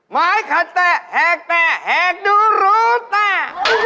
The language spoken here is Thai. ไม่เค๊ะแต๊ะแหกแต๊ะแหกดูรูต้า